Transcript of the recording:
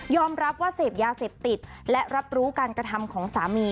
รับว่าเสพยาเสพติดและรับรู้การกระทำของสามี